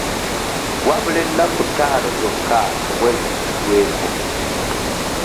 Wabula ennaku ttaano zokka omwezi guggweko.